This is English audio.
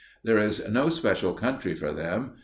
There is no special country for them.